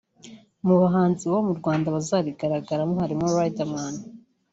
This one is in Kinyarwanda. Mu bahanzi bo mu Rwanda bazarigaragaramo harimo Riderman